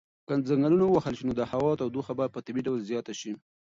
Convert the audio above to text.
که ځنګلونه ووهل شي نو د هوا تودوخه به په طبیعي ډول زیاته شي.